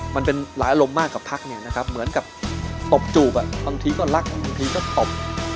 มันเป็นหลายอารมณ์มากกับพักเนี่ยนะครับเหมือนกับตบจูบบางทีก็รักบางทีก็ตบ